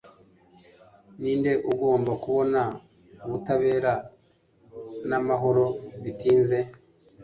Ninde ugomba kubona ubutabera n'amahoro bitinze